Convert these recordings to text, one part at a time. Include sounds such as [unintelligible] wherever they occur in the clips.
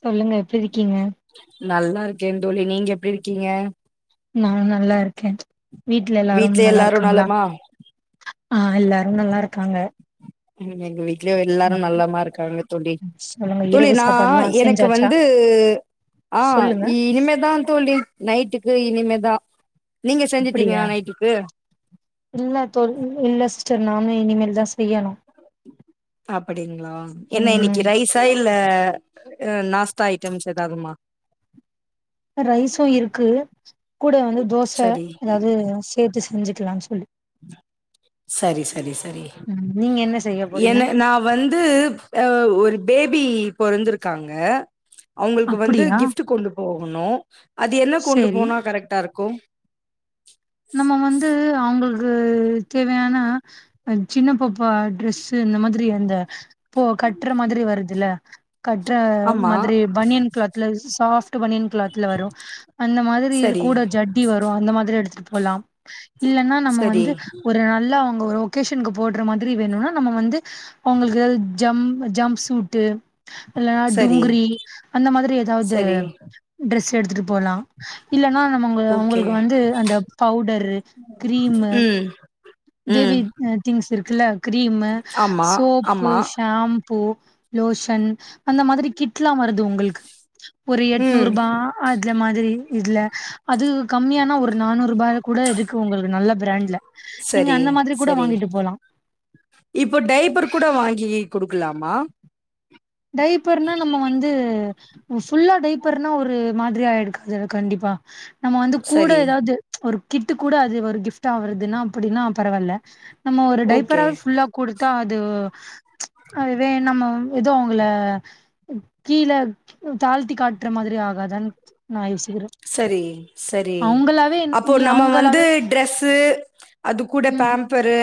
சொல்லுங்க எப்டி இருக்கீங்க நல்லா இருக்கே தோழி நீங்க எப்டி இருக்கீங்க நானு நல்லா இருக்கே வீட்ல எல்லாரு நல்லா இருக்காங்களா ஆ எல்லாரு நல்லா இருக்காங்க ம் எங்க வீட்லயு எல்லாரு நல்லமா இருக்காங்க தோழி சொல்லுங்க தோழி இரவு நா சாப்பாடுல்லா எனக்கு செஞ்சாச்சா வந்து ஆ சொல்லுங்க இனிமேதான் தோழி நைட்டுக்கு இனிமே தா நீங்க செஞ்சட்டீங்கா அப்படியா நைட்டுக்கு இல்ல தோழி இல்ல சிஸ்டர் நானு இனிமேல் தா செய்யணு அப்டிங்களா என்ன இன்னைக்கு ம் ரைஸா இல்ல அ நாஸ்டா ஐட்டம்ஸ் ஏதாதுமா ரைசு இருக்கு கூட வந்து தோச சரி ஏதாவது சேர்த்து செஞ்சுக்கலாம்னு சொல்லி சரி சரி சரி ம் நீங்க என்ன செய்ய போறீங்க ஏன நா வந் து ஒரு பேபி பொறந்து இருக்காங்க அவுங்களுக்கு வந்து அப்படியா கிஃப்ட் கொண்டு போகணு அது என்ன கொண்டு சேரி போனா கரெக்ட்டா இருக்கு நம்ம வந்து அவுங்களுக்கு தேவையான சின்னப்பாப்ப ட்ரெஸ்ஸு இந்த மாதிரி அந்த போ கட்டுற மாதிரி வருதுல கட்டுற ஆமா மாதிரி பனியன் கிளாத்ல சாஃப்ட் பனியன் கிளாத்ல வரு அந்த மாதிரியில சரி கூட ஜட்டி வரு அந்த மாதிரி எடுத்துட்டு போலாம் இல்லனா நம்ம சரி வந்து ஒரு நல்ல ஒரு ஒகேஷனுக்கு போடுற மாதிரி வேணும்னா நம்ம வந்து அவுங்களுக்கு ஜம் ஜம் சூட்டு இல்லன்னா சரி டுங்குரி அந்த மாதிரி ஏதாவது சரி ட்ரெஸ் எடுத்துட்டு போலா இல்லன்னா நம்மங்க ஓகே அவுங்களுக்கு வந்து அந்த பவுடரு கிரீமு ம் பேபி ம் அ திங்ஸ் இருக்குல்ல கிரீம்மு ஆமா சோப்பு ஆமா ஷாம் பு லோஷன் அந்த மாதிரி கிட்லாம் வருது உங்களுக்கு ஒரு ம் எட்நூறுபா அதுல மாதிரி இதுல அது கம்மியானா ஒரு நானூறுபா கூட இருக்கு உங்களுக்கு நல்ல பிராண்ட்ல [unintelligible] நீங்க சரி அந்த மாதிரி கூட வாங்கிட்டு போலா இப்ப டைப்பர் கூட வாங்கி குடுக்கலாமா டைப்பர்னா நம்ம வந்து ஃபுல்லா டைப்பர்னா ஒரு மாதிரிய ஆயிருக்காது கண்டிப்பா நம்ம வந்து கூட சரி ஏதாவது ஒரு கிட்டு கூட அது ஒரு கிஃப்ட் வருதுன்னா அப்டின்னா பரவால்ல நம்ம ஒரு ஓகே டைப்பராவே ஃபுல்லா குடுத்தா அதுவு அதுவே நம்ம ஏதோ உங்கள கீழ தாழ்த்தி காட்டுற மாதிரி ஆகாதான் சரி சரி அவங்களாவே அப்போ நீ நம்ம வந்து அவங்களாவே ட்ரெஸ்சு அது கூட ம் பேம் ப்பரு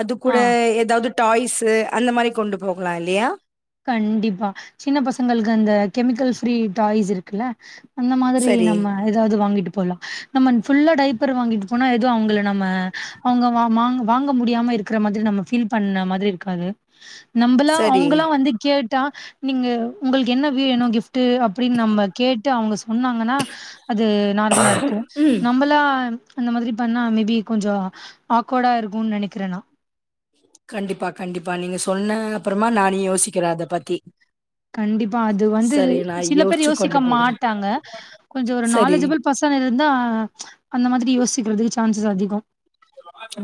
அது கூட ஆ ஏதாவது டாய்ஸ்சு அந்த மாதிரி கொண்டு போகலாம் இல்லையா கண்டிப்பா சின்ன பசங்களுக்கு அந்த கெமிக்கல் ப்ரீ டாய்ஸ் இருக்குல்ல அந்த மாதிரி சரி நம்ம வேற ஏதாது வாங்கிட்டு போலா நம்ம புல்லா டைபர் வாங்கிட்டு போனா ஏதோ அவங்கள நம்ம அவங்க வாங் வாங்க முடியாம இருக்கிற மாதிரி நம்ம ஃபீல் பண்ண மாதிரி இருக்காது நம்பளா சரி அவங்களா வந்து கேட்டா நீங்க உங்களுக்கு என்ன வேணு கிஃப் ட்டு அப்டின்னு நம்ம கேட்டு அவங்க சொன்னாங்கனா அது நார்மலா இருக்கு ம் நம்பளா அந்த மாதிரி பண்ணா மேபி கொஞ்சோ ஆக்வர்டா இருக்கு நெனைக்கிறேனா கண்டிப்பா கண்டிப்பா நீங்க சொன்ன அப்புறமா நானு யோசிக்கிறே அத பத்தி கண்டிப்பா அது வந்து சரி நா சில பேர் யோசிச்சு யோசிக்க கொண்டு போறே மாட்டாங்க கொஞ்சோ ஒரு சரி நாலஜபிள் பசங்க இருந்தா அந்த மாதிரி யோசிக்கிறதுக்கு சான்சஸ் அதிகம்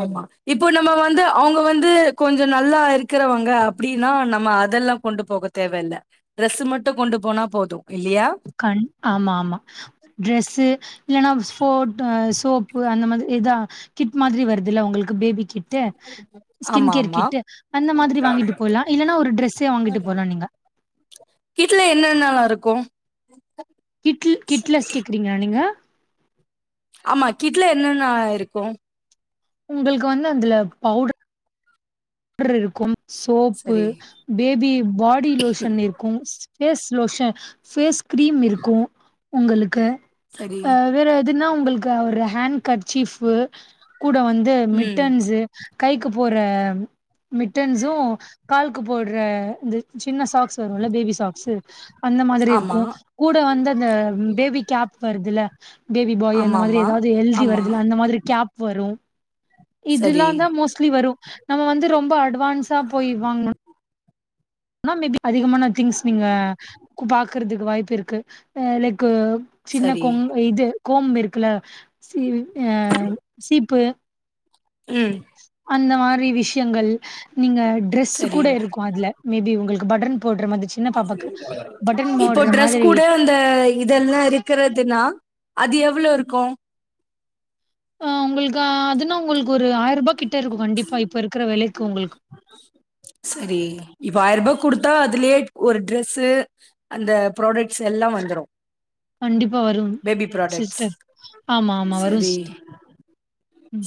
ஆமா இப்போ நம்ம வந்து அவங்க வந்து கொஞ்சம் நல்லா இருக்கிறவங்க அப்டின்னா நம்ம அதெல்லா கொண்டு போக தேவல்ல டிரெஸ் மட்டு கொண்டு போனா போது இல்லியா ஆமா ஆமா ட்ரெஸ்ஸு இல்லன்னா போட் சோப்பு அந்த மாதிரி எதா கிட் மாதிரி வருது இல்ல உங்களுக்கு பேபி கிட்டு ஸ்கின் ஆமா கேர் ஆமா கிட்டு அந்த மாதிரி வாங்கிட்டு போலா இல்லைன்னா ஒரு டிரஸ்ஸோ வாங்கிட்டு போலா நீங்க கீட்டுல என்னன்னல்லா இருக்கும் கிட்ல கிட்லஸ் கேட்குறீங்ளா நீங்க ஆமா கிட்ல என்னென்னா இருக்கும் உங்களுக்கு வந்து அதுல பவுடர் ரு இருக்கும் சோப்பு, சரி பேபி பாடி லோஷன் இருக்கும் ஃபேஸ் லோஷன், ஃபேஸ் கிரீம் இருக்கு உங்களுக்கு சரி வேற எதுன்னா உங்களுக்கு ஒரு ஹேண்ட கற்சீப்பே கூட வந்து ம் மிட்டன்ஸ்சு கைக்கு போற மிட்டன்சு கால்கு போட்ற இந்த சின்ன சாக்ஸ் வரும்ல பேபி சாக்ஸ்சு அந்த மாதிரி ஆமா இருக்கும் கூட வந்து அந்த பேபி கேப் வருதுல பேபி ஆமாமா பாய் அந்த மாதிரி ஆமா ஏதாவது எழ்தி ஆமா வருதுல அந்த மாதிரி கேப் வரும் சரி இதுல்லாம் தா மோஸ்ட்லி வரும் நம்ம வந்து ரொம்ப அட்வான்ஸா போய் வாங்கணு னா மேபி அதிகமான திங்ஸ் நீங்க பாக்குறதுக்கு வாய்ப்பு இருக்கு அஹ் லைக்கு சின்ன சரி கோம் இது கோம்ப் இருக்குல்ல சி அஹ் சீப்பு ம் அந்த மாரி விஷ்யங்கள் நீங்க ட்ரெஸ் சரி கூட இருக்கு அதுல மேபி உங்களுக்கு பட்டன் போடுற மாதிரிச்சி இப்போ ட்ரெஸ் கூட அந்த இதெல்லா இருக்கிறதுன்னா அது எவ்ளோ இருக்கு ஆ உங்களுக்கு அதுன்னா உங்களுக்கு ஒரு ஆய்ர்ரூபா கிட்ட இருக்கு கண்டிப்பா இப்ப இருக்கிற விலைக்கு உங்களுக் [inaudible] சரி இப்ப ஆயிர்ரூபா குடுத்தா அதுலயே ஒரு ட்ரெஸ்சு அந்த ப்ராடக்ட்ஸ் எல்லா வந்துரு கண்டிப்பா வரும் பேபி ப்ராடக்ட்ஸ். சிஸ்டர் ஆமா ஆமா வரும் சரி, சிஸ்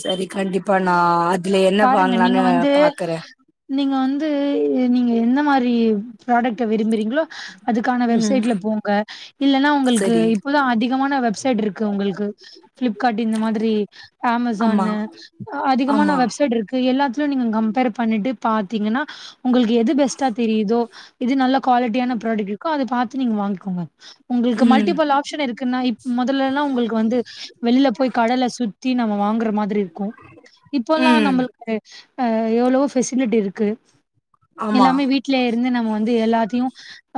சரி கண்டிப்பா நான் அதுல என்ன பாருங்க நீங்க வாங்கலான்னு வந்து பாக்கறே நீங்க வந்து நீங்க எந்த மாதிரி ப்ராடக்ட்ட விரும்புறீங்களோ அதுக்கான ம். வெப்சைட்ல போங்க இல்லனா உங்களுக்கு சரி. இப்போதா அதிகமான வெப்சைட் இருக்கு உங்களுக்கு ஃப்ளிப்கார்ட் இந்த மாதிரி ஆமா, ஆமேசான்னு அதிகமான ஆமா. வெப் சைட் இருக்கு எல்லாத்துலயும் நீங்க கம்பேர் பண்ணிட்டு பாத்தீங்கன்னா உங்களுக்கு எது பெஸ்ட்டா தெரியுதோ எது நல்ல குவாலிட்டியான ப்ராடக்ட் இருக்கோ அத பாத்து நீங்க வாங்கிக்கோங்க உங்களுக்கு ம், மல்டிபில் ஆப்ஷன் இருக்குன்னா இப் முதல எல்லா உங்களுக்கு வந்து வெளியில போய் கடல சுத்தி நம்ம வாங்குற மாதிரி இருக்கும் இப்போ ம். எ எவ்வளவோ ஃபெசிலிட்டி இருக்கு ஆமா, எல்லாமே வீட்ல இருந்து நம்ம வந்து எல்லாத்தையு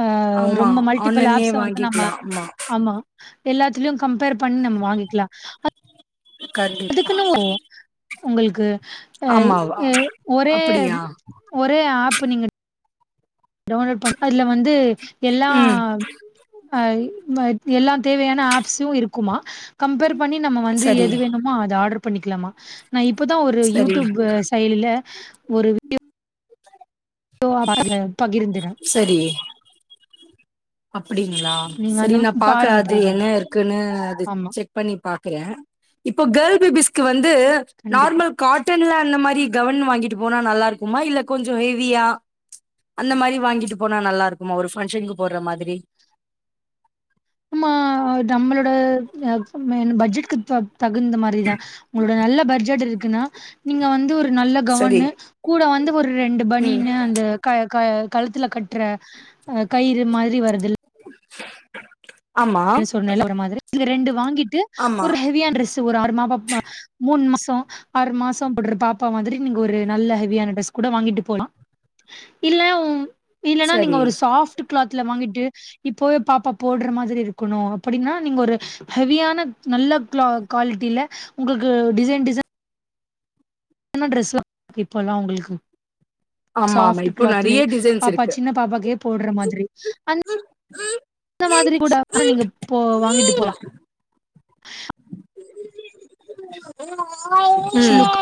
ஆ ஆமா. ரொம்ப மல்டிபிள் ஆன்லைன்லயே ஆப்ஸ் ஆ வந்து நம்ம வாங்கிக்கலா. ஆமா, ஆமா எல்லாத்துலயு கம்பேர் பண்ணி நம்ம வாங்கிக்கலா கர்டி அதுக்குன்னு ஓ உங்களுக்கு எ ஆமாவா? எ ஒரே அப்படியா? ஒரே ஆப் நீங்க டவுன்லோட் பண்ண அதுல வந்து எல்லா ம். ஆய் மஜ் எல்லா தேவையான ஆப்ஸும் இருக்குமா கம்பேர் பண்ணி நம்ம வந்து சரி, எது வேணுமோ அது ஆர்டர் பண்ணிக்கலாமா நா இப்பதா ஒரு சரி, யூடியூப் செயலில ஒரு [unintelligible] பகிர்ந்திர சேரி அப்டிங்களா நீங்க செரி அந்த நா பாக்கறே பாருங்க அது ட்ரை பண்ணி என்ன இருக்குன்னு அது ஆமா செக் பண்ணி பாக்குறேன் இப்போ கேல் பேபிஸ்கு வந்து கண்டிப்பா நார்மல் காட்டன்ல அந்த மாதிரி கெவுன் வாங்கிட்டு போனா நல்லா இருக்குமா இல்ல கொஞ்சோ ஹெவியா அந்த மாதிரி வாங்கிட்டு போனா நல்லா இருக்குமா ஒரு ஃபங்க்ஷனுக்கு போடுற மாதிரி ஆம்மா நம்மளோட எ மேன் பட்ஜெட்க்கு தகு தகுந்த மாதிரி தா உங்களோட நல்ல பட்ஜெட் இருக்குன்னா நீங்க வந்து ஒரு நல்ல சரி கவுன்னு கூட வந்து ஒரு ரெண்டு ம் பணியன்னு அந்த க க கழுத்துல கட்டுற கயிறு மாரி வருதுல் ஆமா லா சொன்னேல ஒரு மாதிரி இது ரெண்டு வாங்கிட்டு ஆமா ஒரு ஹெவியான டிரெஸ் ஒரு ஆறு ம ம மா மூணு மாசோ ஆறு மாசோ போடுற பாப்பா மாதிரி நீங்க ஒரு நல்ல ஹெவியான டிரெஸ் கூட வாங்கிட்டு போலா இல்லவு இல்லைன்னா நீங்க சரி ஒரு சாஃப்ட் கிளாத்ல வாங்கிட்டு இப்போவே பாப்பா போடுற மாதிரி இருக் க்கணு அப்டின்னா நீங்க ஒரு ஹெவியான நல்ல கு குவாலிட்டில உங்களுக்கு டிசைன் டிசைன் என்ன ட்ரெஸ் வாங்கிட்டு போல்லா அவங்களுக்கு ஆமா ஆமா சாஃப்ட் இப்போ கிளாத்ல நெறைய டிசைன்ஸ் பாப்பா இருக்கு சின்ன பாப்பா கே போடுற மாதிரி அந் அந்த மாதிரி கூட நீங்க போ வாங்கிட்டு போலாம் ஆ ஷி லுக்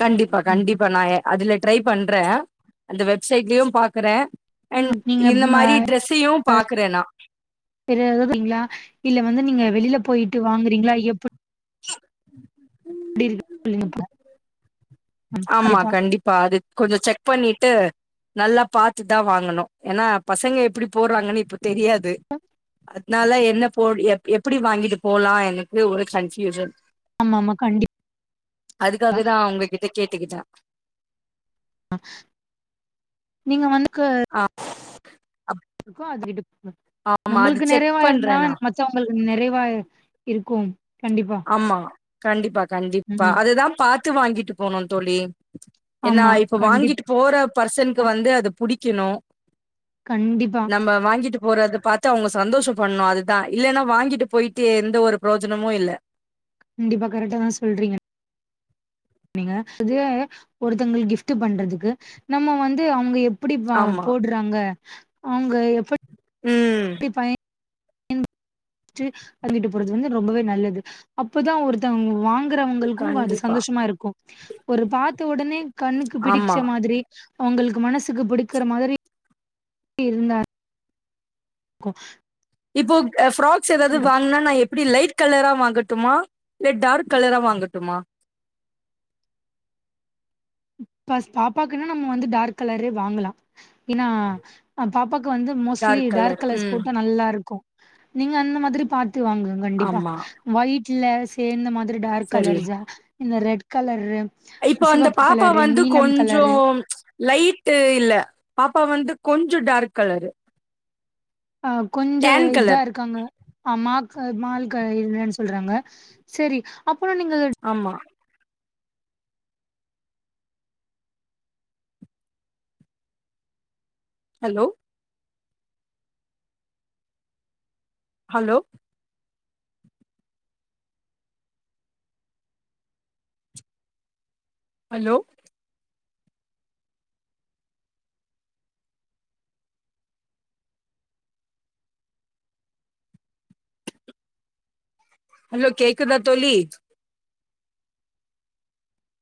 கண்டிப்பா கண்டிப்பா நா அதுல ட்ரை பண்றே அந்த வெப்சைட்லயு பாக்குறே அண்ட் இந்த நீங்க மாதிரி ட்ரெஸ்ஸையு பாக்குறேன் நா பெரியது வங்கலா இல்ல வந்து நீங்க வெளியில போயிட்டு வாங்குறீங்களா எப்பு உம் எப்டி இருக்கு [unintelligible] ஆமா கண்டிப்பா அது கொஞ்சோ செக் பண்ணிட்டு நல்லா பாத்து தா வாங்கணு ஏனா பசங்க எப்டி போடுறாங்கன்னு இப்ப தெரியாது நாயெல்லா என்ன போ எப்டி வாங்கிட்டு போல எனக்கு ஒரு கன்பியூஷன் ஆமா ஆமா கண்டிப் அதுக்காக தா அவங்ககிடகேட்டுக்கிட்டான் நீங்க வந்துக்கு ஆ [unintelligible] ஆமா அது நம்மளுக்கு செக் நெறைவா இருந்தா பண்றேன் நான். ச்ச உங்களுக்கு நெறைவா இருக்கு கண்டிப்பா ஆமா கண்டிப்பா கண்டிப்பா ம் அதுதா பாத்து வாங்கிட்டு போனு தோழி என்னா ஆமா இப்ப வாங்கிட்டு கண்டிப்பா போற பர்சனுக்கு வந்து அது புடிக்கணு கண்டிப்பா வாங்கிட்டு போறத பாத்து அவங்க சந்தோஷ படணு அதுதா இல்லன்னா வாங்கிட்டு போய்ட்டு எந்த ஒரு ப்ரோஜனமு இல்ல கண்டிப்பா கரெக்டாதா சொல்றீங்க நீங்க [inaudible] ஒருத்தங்கள் கிஃப்ட் பண்றதுக்கு நம்ம வந்து அவங்க எப்படி ஆமா போடுறாங்க அவங்க எப்படி ம் [unintelligible] வாங்கிட்டு போறது வந்து ரொம்பவே நல்லது அப்போதா ஒருத்தங்க வாங்க வாங்குறவங்களுக்கு அது கண்டிப்பா சந்தோஷமா இருக்கு ஒரு பாத்த உடனே கண்ணுக்கு பிடிச்ச ஆமா மாதிரி அவங்களுக்கு மனசுக்கு பிடிக்கிற மாதிரி இருந்தார் கு இப்போ ஃப்ராக்ஸ் எதாவது வாங்குனா எப்படி லைட் கலரா வாங்கட்டுமா இல்ல டார்க் கலரா வாங்கட்டுமா பஸ்ட் பாப்பாக்குன்னா நம்ம வந்து டார்க் கலரே வாங்கலா ஏன்னா பாப்பாக்கு வந்து மோஸ்ட்லி டார்க் கலர் கலர்ஸ் ம் போட்டா நல்லாருக்கு நீங்க அந்த மாதிரி பாத்து வாங்குங்க கண்டிப்பா ஆமா மைட்ல சேர்ந்த மாதிரி டார்க் சரி கலர்ஸா இந்த ரெட் கலரு சிவப் அப்ப வந்து கொஞ்சோ லைட்டு இல்ல பாப்பா வந்து கொஞ்சோ டார்க் கலரு ஆ கொஞ்சோ டேன் இதா கலர் இருக்காங்க அமாக்க மால்கலர் இல்லன்னு சொல்றாங்க சரி அப்பனா நீங்க ஆமா ஹலோ ஹலோ ஹலோ ஹலோ கேக்குதா தோழி